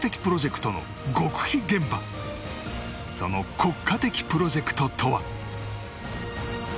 その国家的プロジェクトとは？